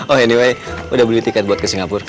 oh anyway udah beli tiket buat ke singapura